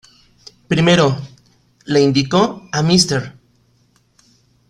Primero, le indicó a Mr.